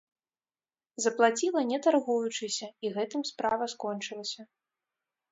Заплаціла не таргуючыся, і гэтым справа скончылася.